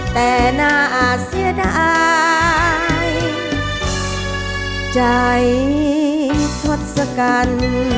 แต่หน้าเสียดายใจทดสกัน